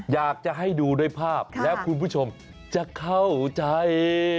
อยากจะให้ดูด้วยภาพแล้วคุณผู้ชมจะเข้าใจ